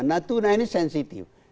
natuna ini sensitif